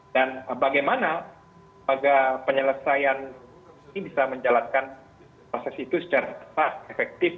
dan bagaimana baga penyelesaian ini bisa menjalankan proses itu secara tepat efektif